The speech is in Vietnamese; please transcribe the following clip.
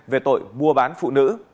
về tội mua bán phụ nữ